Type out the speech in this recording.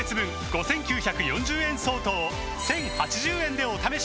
５，９４０円相当を１，０８０円でお試しいただけます